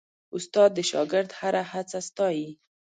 استاد د شاګرد هره هڅه ستايي.